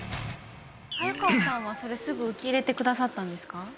早川さんはそれすぐ受け入れてくださったんですか？